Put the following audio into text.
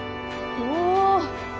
お。